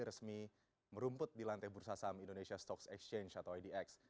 resmi merumput di lantai bursa saham indonesia stocks exchange atau idx